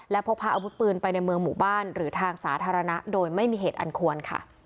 และพกพาอาวุธปืนไปในเมืองหมู่บ้านหรือทางสาธารณะโดยไม่มีเหตุอันควรค่ะ